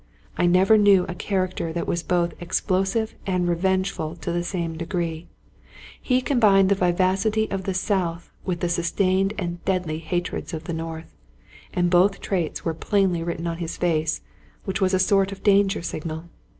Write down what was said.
I never knew a character that was both explosive and revengeful to the same degree; he combined the vivacity of the south with the sustained and deadly hatreds of the north; and both traits were plainly written on his face, which was a sort of danger signal.